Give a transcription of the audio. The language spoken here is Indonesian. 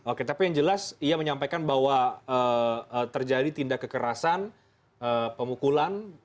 oke tapi yang jelas ia menyampaikan bahwa terjadi tindak kekerasan pemukulan